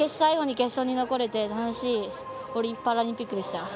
決勝に残れて楽しいパラリンピックでした。